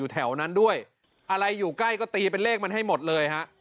ถ้าอยู่ใกล้ก็ตีเป็นเลขมันให้หมดเลยฮะ